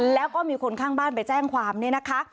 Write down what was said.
แล้วก็มีคนข้างบ้านไปแจ้งความเนี่ยนะคะ